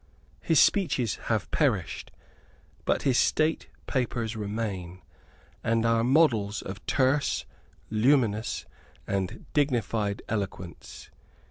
His speeches have perished; but his State papers remain, and are models of terse, luminous, and dignified eloquence.